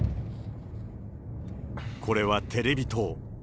これはテレビ塔。